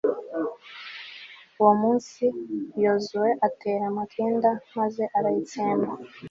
uwo munsi, yozuwe atera makeda maze arayitsemba